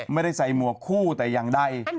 ไม่ได้ใส่หมวกคู่แต่อย่างใด